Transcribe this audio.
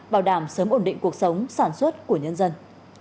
bảo đảm sớm ổn định cuộc sống sản xuất của nhân dân